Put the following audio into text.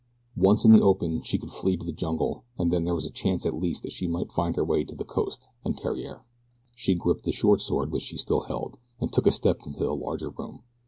Once in the open she could flee to the jungle, and then there was a chance at least that she might find her way to the coast and Theriere. She gripped the short sword which she still held, and took a step into the larger room.